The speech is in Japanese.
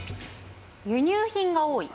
輸入品が多い。